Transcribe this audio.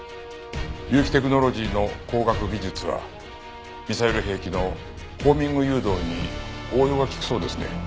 結城テクノロジーの光学技術はミサイル兵器のホーミング誘導に応用が利くそうですね。